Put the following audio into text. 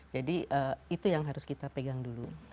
jadi itu yang harus kita pegang dulu